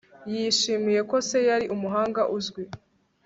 Yishimiye ko se yari umuhanga uzwi